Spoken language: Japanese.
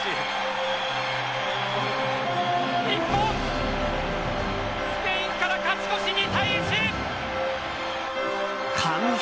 日本スペインから勝ち越し２対１！